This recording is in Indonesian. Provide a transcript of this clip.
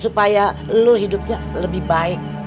supaya lo hidupnya lebih baik